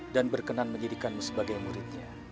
dan berkenan menjadikanmu sebagai muridnya